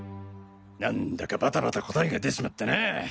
何だかバタバタ答えが出ちまったな。